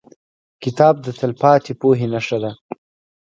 کتاب د تلپاتې پوهې نښه ده.